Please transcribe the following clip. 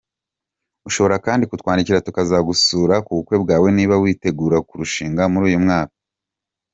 com ushobora kandi kutwandikira tukazagusura kubukwe bwawe niba witegura kurushinga muri uyu mwaka.